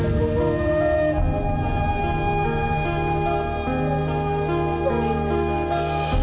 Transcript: ada apa sih ma